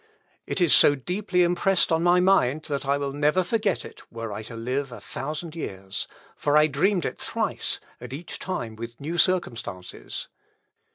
It is so deeply impressed on my mind, that I will never forget it, were I to live a thousand years. For I dreamed it thrice, and each time with new circumstances."